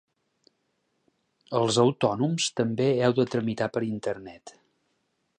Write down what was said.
Els autònoms també heu de tramitar per internet.